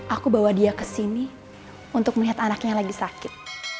aku bawa dia kesini untuk melihat anaknya lagi sakit